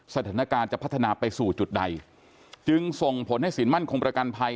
สถานการณ์จะพัฒนาไปสู่จุดใดจึงส่งผลให้สินมั่นคงประกันภัย